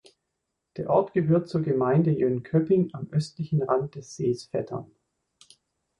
Der Ort gehört zur Gemeinde Jönköping am östlichen Rand des Sees Vättern.